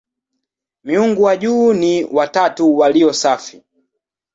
Miungu wa juu ni "watatu walio safi".